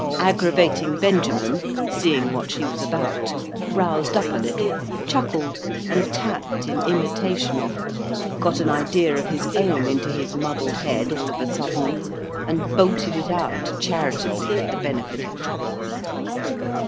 Agravating Benjamin, seeing what she was about, roused up a little, chuckled and tapped in imitation of her, got an idea of his own into his muddled head all of a sudden, and bolted it out charitably for the benefit of Trottle.